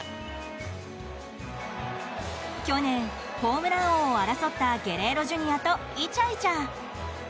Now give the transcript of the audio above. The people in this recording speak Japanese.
去年、ホームラン王を争ったゲレーロＪｒ．とイチャイチャ。